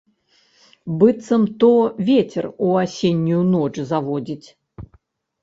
Быццам то вецер у асеннюю ноч заводзіць.